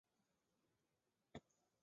说没捡到